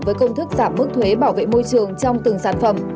với công thức giảm mức thuế bảo vệ môi trường trong từng sản phẩm